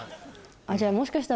じゃあもしかしたら。